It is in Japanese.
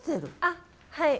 あっはい。